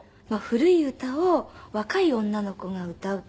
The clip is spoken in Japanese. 古い歌を若い女の子が歌う。